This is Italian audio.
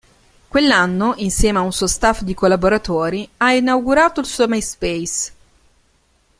Quell'anno, insieme a un suo staff di collaboratori, ha inaugurato il suo myspace.